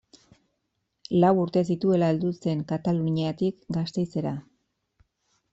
Lau urte zituela heldu zen Kataluniatik Gasteizera.